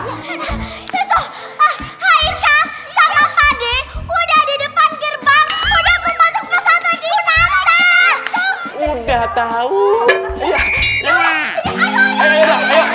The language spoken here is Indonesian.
hai sama pade udah di depan gerbang udah berbentuk pesawat lagi udah udah tahu